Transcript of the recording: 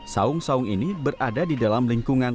saung saung ini berada di dalam lingkungan